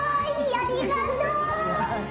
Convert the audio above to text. ありがとう！おっ！